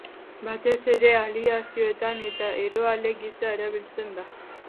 Batez ere aleazioetan eta erdieroale gisa erabiltzen da.